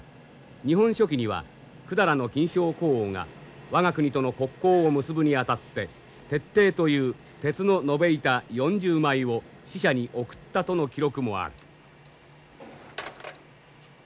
「日本書紀」には百済の近肖古王が我が国との国交を結ぶにあたって鉄蹄という鉄の延べ板４０枚を使者に贈ったとの記録もある。